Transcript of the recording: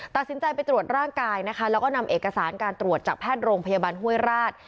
ตัดสินใจไปตรวจร่างกายนะคะแล้วก็นำเอกสารการตรวจจากแพทย์โรงพยาบาลห้วยราช